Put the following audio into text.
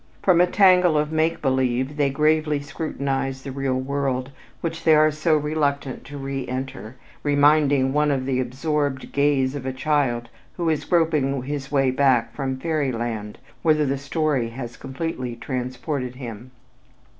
From a tangle of "make believe" they gravely scrutinize the real world which they are so reluctant to reënter, reminding one of the absorbed gaze of a child who is groping his way back from fairy land whither the story has completely transported him.